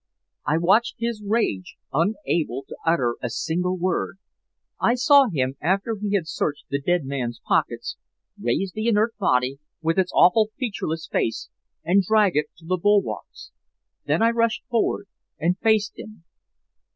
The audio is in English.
"I watched his rage, unable to utter a single word. I saw him, after he had searched the dead man's pockets, raise the inert body with its awful featureless face and drag it to the bulwarks. Then I rushed forward and faced him.